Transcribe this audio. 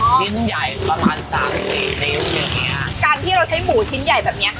ชิ้นใหญ่ประมาณสามสี่นิ้วอย่างเงี้ยการที่เราใช้หมูชิ้นใหญ่แบบเนี้ย